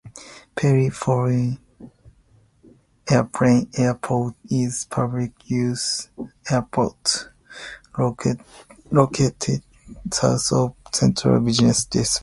Perry-Foley Airport is a public-use airport located south of the central business district.